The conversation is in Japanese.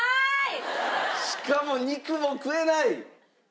しかも肉も食えない！